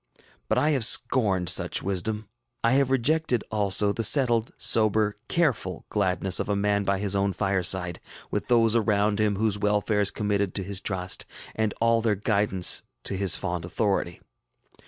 But I have scorned such wisdom. I have rejected, also, the settled, sober, careful gladness of a man by his own fireside, with those around him whose welfare is committed to his trust and all their guidance to his fond authority.